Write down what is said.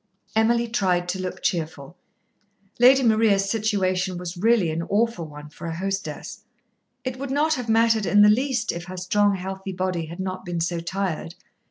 Emily tried to look cheerful. Lady Maria's situation was really an awful one for a hostess. It would not have mattered in the least if her strong, healthy body had not been so tired.